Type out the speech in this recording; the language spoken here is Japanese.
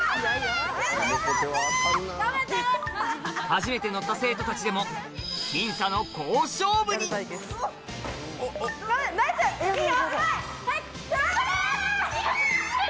初めて乗った生徒たちでも僅差の好勝負に・頑張れ！